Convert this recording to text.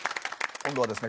今度はですね